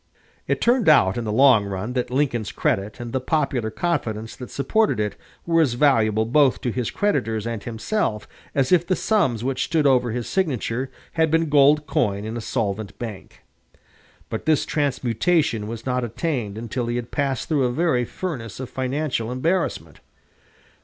It turned out in the long run that Lincoln's credit and the popular confidence that supported it were as valuable both to his creditors and himself as if the sums which stood over his signature had been gold coin in a solvent bank. But this transmutation was not attained until he had passed through a very furnace of financial embarrassment.